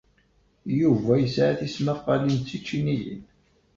Yuba yesɛa tismaqqalin d tičiniyin.